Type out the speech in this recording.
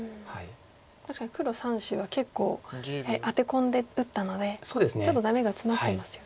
確かに黒３子は結構やはりアテ込んで打ったのでちょっとダメがツマってますよね。